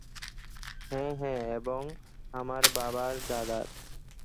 হ্যাঁ হ্যাঁ, এবং আমার বাবার দাদার।